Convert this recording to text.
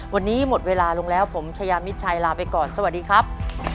วันนี้หมดเวลาลงแล้วผมชายามิดชัยลาไปก่อนสวัสดีครับ